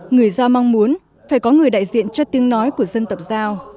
người giao mong muốn phải có người đại diện chất tiếng nói của dân tập giao